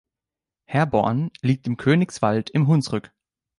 Herborn liegt am Königswald im Hunsrück.